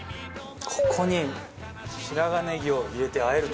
ここに白髪ネギを入れて和えると。